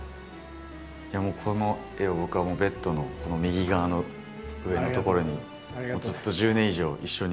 もうこの絵を僕はベッドの右側の上の所にずっと１０年以上一緒に。